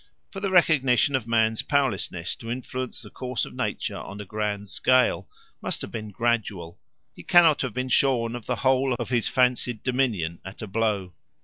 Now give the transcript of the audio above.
For the recognition of man's powerlessness to influence the course of nature on a grand scale must have been gradual; he cannot have been shorn of the whole of his fancied dominion at a blow.